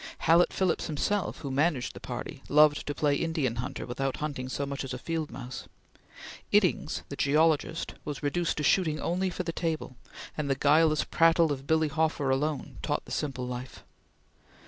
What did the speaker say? Hallett Phillips himself, who managed the party loved to play Indian hunter without hunting so much as a fieldmouse; Iddings the geologist was reduced to shooting only for the table, and the guileless prattle of Billy Hofer alone taught the simple life.